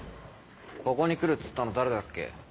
ここに来るっつったの誰だっけ？